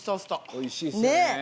おいしいですよね。